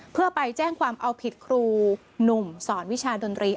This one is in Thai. เพื่อไปแจ้งความเอาผิดครูหนุ่มสอนวิชาดนตรี